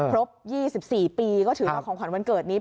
ครบ๒๔ปีก็ถือว่าของขวัญวันเกิดนี้